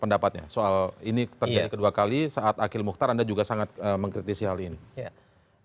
pendapatnya soal ini terjadi kedua kali saat akhil mukhtar anda juga sangat mengkritisi hal ini